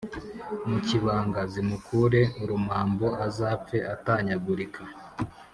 mu kibanga/ zimukure urumambo/ azapfe atanyagurika »